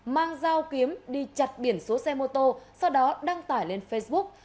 mang dao kiếm đi chặt biển số xe mô tô sau đó đăng tải lên facebook